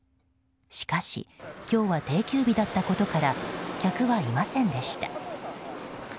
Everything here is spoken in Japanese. しかし、今日は定休日だったことから客はいませんでした。